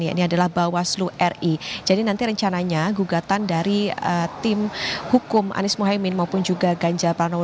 ini adalah bawaslu ri jadi nanti rencananya gugatan dari tim hukum anies mohaimin maupun juga ganjar pranowo